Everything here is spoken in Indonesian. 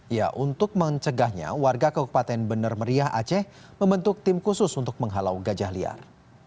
ya untuk mencegahnya warga kabupaten benar meriah aceh membentuk tim khusus untuk menghalau gajah liar